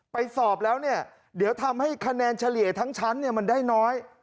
สอบแล้วเนี่ยเดี๋ยวทำให้คะแนนเฉลี่ยทั้งชั้นมันได้น้อย